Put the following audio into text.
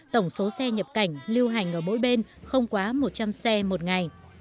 tổng số xe nhập cảnh lưu hành ở mỗi bên không quá một trăm linh xe một ngày